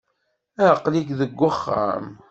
Aql-ik deg wexxam.